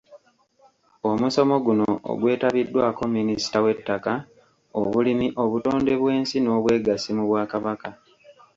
Omusomo guno ogwetabiddwako Minisita w’Ettaka Obulimi obutonde bw’ensi n’obweggasi mu Bwakabaka.